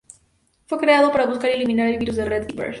Fue creado para buscar y eliminar al virus de red Creeper.